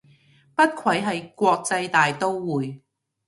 不愧係國際大刀會